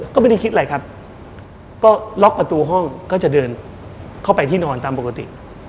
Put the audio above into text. ก็ไม่ได้คิดอะไรครับก็ล็อกประตูห้องก็จะเดินเข้าไปที่นอนตามปกติ